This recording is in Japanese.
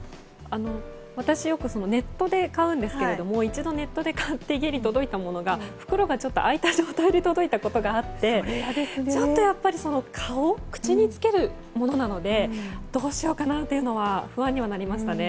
私、よくネットで買うんですが一度ネットで買って家に届いたものが袋が開いた状態で届いたことがあってちょっと顔、口につけるものなのでどうしようかなというのは不安にはなりましたね。